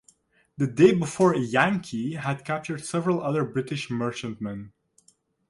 The day before "Yankee" had captured several other British merchantmen.